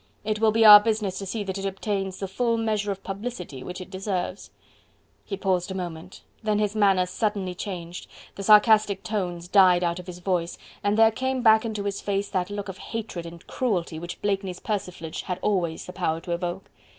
It will be our business to see that it obtains the full measure of publicity which it deserves..." He paused a moment, then his manner suddenly changed: the sarcastic tone died out of his voice, and there came back into his face that look of hatred and cruelty which Blakeney's persiflage had always the power to evoke.